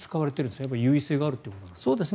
やっぱり優位性があるということですね。